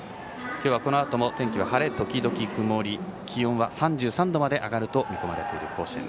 今日はこのあとも天気は晴れ時々曇り気温は３３度まで上がると見込まれている甲子園。